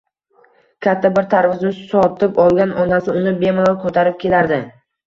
Katta bir tarvuzni sotib olgan onasi uni bemalol ko`tarib kelardi